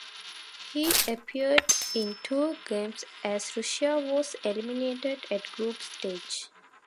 He appeared in two games as Russia was eliminated at group stage.